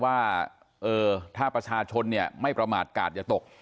ว่าถ้าประชาชนไม่ประมาทกาลจะตก